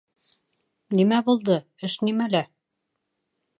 Нимә булды? Эш нимәлә?